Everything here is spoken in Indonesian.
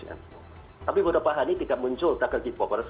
tapi mudah mudahan ini tidak muncul tagar deep offers